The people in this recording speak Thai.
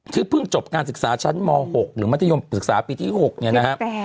เพิ่งจบการศึกษาชั้นม๖หรือมัธยมศึกษาปีที่๖เนี่ยนะครับ